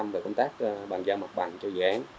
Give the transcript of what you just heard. về công tác bàn giao mặt bằng cho dự án